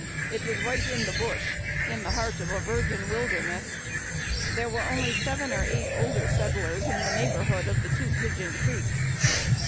It was "right in the bush," in the heart of a virgin wilderness. There were only seven or eight older settlers in the neighborhood of the two Pigeon Creeks.